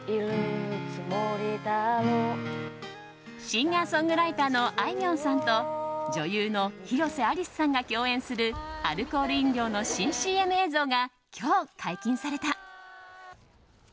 シンガーソングライターのあいみょんさんと女優の広瀬アリスさんが共演するアルコール飲料の新ＣＭ映像が今日解禁された。